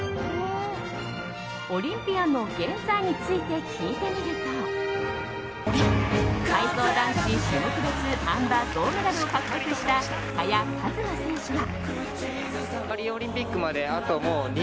オリンピアンの現在について聞いてみると体操男子種目別あん馬銅メダルを獲得した萱和磨選手は。